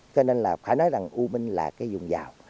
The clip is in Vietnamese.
cho nên là phải nói rằng u minh là cái dùng dao